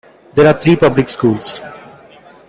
There are three public schools.